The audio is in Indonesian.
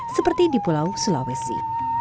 seperti di pulau sulawesi